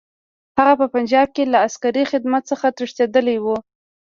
هغه په پنجاب کې له عسکري خدمت څخه تښتېدلی وو.